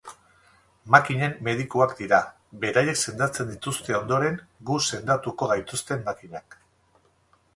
Makinen medikuak dira, beraiek sendatzen dituzte ondoren, gu sendatuko gaituzten makinak.